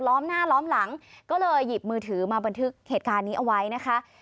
้อมหน้าล้อมหลังก็เลยหยิบมือถือมาบันทึกเหตุการณ์นี้เอาไว้นะคะ